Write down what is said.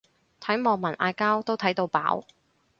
睇網民嗌交都睇到飽